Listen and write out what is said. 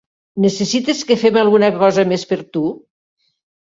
Necessites que fem alguna cosa més per tu?